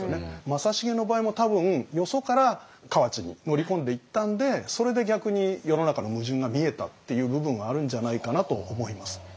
正成の場合も多分よそから河内に乗り込んでいったんでそれで逆に世の中の矛盾が見えたっていう部分はあるんじゃないかなと思います。